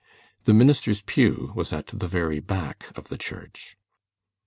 The minister's pew was at the very back of the church.